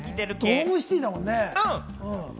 ドームシティだもんね。